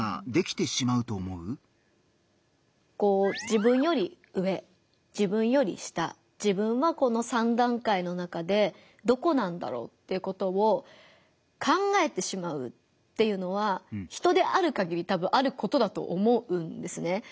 自分より上自分より下自分はこの３段階の中でどこなんだろうっていうことを考えてしまうっていうのは人であるかぎりたぶんあることだと思うんですね。